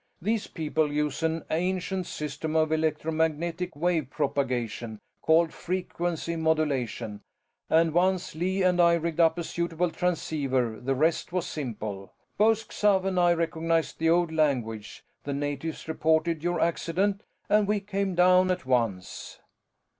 "These people use an ancient system of electromagnetic wave propagation called frequency modulation, and once Lee and I rigged up a suitable transceiver the rest was simple. Both Xav and I recognized the old language; the natives reported your accident, and we came down at once."